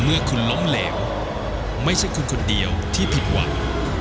เมื่อคุณล้มเหลวไม่ใช่คุณคนเดียวที่ผิดหวัง